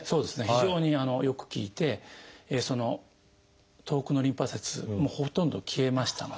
非常によく効いて遠くのリンパ節もほとんど消えましたので。